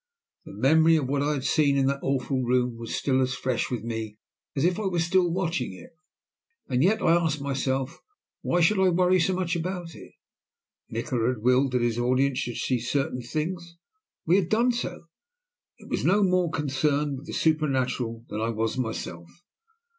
The memory of what I had seen in that awful room was still as fresh with me as if I were still watching it. And yet, I asked myself, why should I worry so much about it? Nikola had willed that his audience should see certain things. We had done so. It was no more concerned with the supernatural than I was myself.